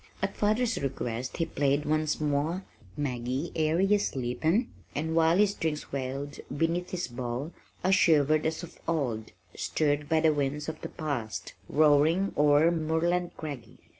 At father's request he played once more Maggie, Air Ye Sleepin', and while the strings wailed beneath his bow I shivered as of old, stirred by the winds of the past "roaring o'er Moorland craggy."